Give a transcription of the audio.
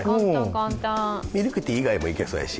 ミルクティー以外もいけそうやし。